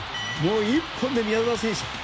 １本で宮澤選手。